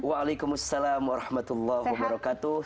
waalaikumsalam warahmatullahi wabarakatuh